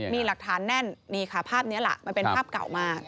มีหลักฐานแน่นนี่ค่ะภาพนี้ล่ะมันเป็นภาพเก่ามาก